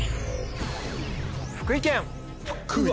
福井県。